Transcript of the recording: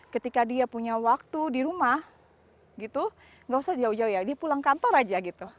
ketika dia punya waktu di rumah gitu nggak usah jauh jauh ya dia pulang kantor aja gitu